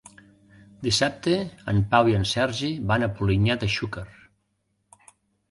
Dissabte en Pau i en Sergi van a Polinyà de Xúquer.